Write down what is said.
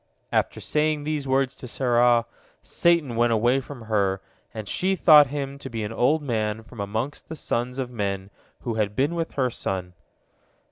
After saying these words to Sarah, Satan went away from her, and she thought him to be an old man from amongst the sons of men who had been with her son.